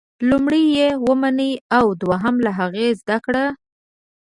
لومړی یې ومنئ او دوهم له هغې زده کړئ.